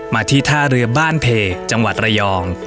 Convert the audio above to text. มาที่ท่าเรือบ้านเพจังหวัดระยอง